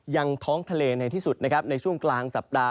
ยังท้องทะเลในที่สุดนะครับในช่วงกลางสัปดาห